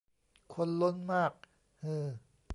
คนล้นมาก ฮือ